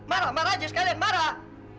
marah marah aja sekalian marah